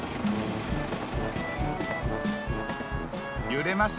ゆれます